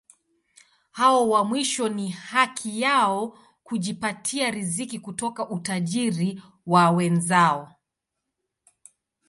Hao wa mwisho ni haki yao kujipatia riziki kutoka utajiri wa wenzao.